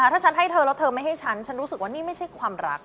ถ้าฉันให้เธอแล้วเธอไม่ให้ฉันฉันรู้สึกว่านี่ไม่ใช่ความรัก